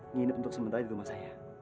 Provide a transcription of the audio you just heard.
ngirip untuk sementara di rumah saya